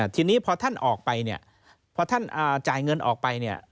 ทีนี้พอท่านออกไปพอท่านจ่ายเงินออกไป